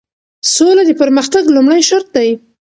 سوله د پرمختګ لومړی شرط دی.